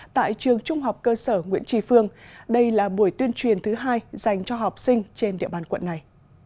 tại trường trung học cơ sở nguyễn trì phương đây là buổi tuyên truyền thứ hai dành cho học sinh trên địa bàn quận này